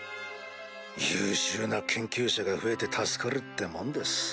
優秀な研究者が増えて助かるってもんです。